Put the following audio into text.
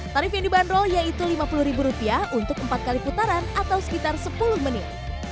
tarif yang dibanderol yaitu rp lima puluh untuk empat kali putaran atau sekitar sepuluh menit